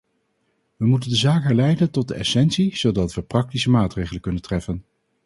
We moeten de zaak herleiden tot de essentie zodat we praktische maatregelen kunnen treffen.